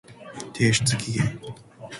提出期限